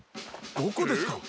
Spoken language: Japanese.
どこですか？